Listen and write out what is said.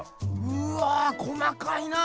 うわ細かいな！